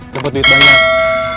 dapat duit banget